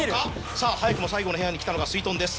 さぁ早くも最後の部屋に来たのがすいとんです。